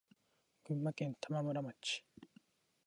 群馬県玉村町